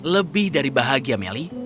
lebih dari bahagia melly